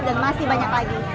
dan masih banyak lagi